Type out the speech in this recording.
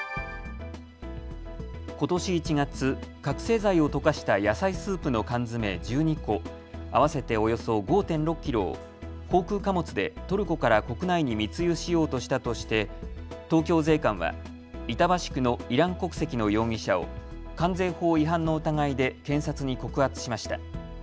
ことし１月、覚醒剤を溶かした野菜スープの缶詰１２個合わせておよそ５．６キロを航空貨物でトルコから国内に密輸しようとしたとして東京税関は板橋区のイラン国籍の容疑者を関税法違反の疑いで検察に告発しました。